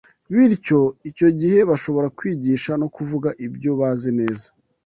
Bityo icyo gihe bashobora kwigisha no kuvuga ibyo bazi neza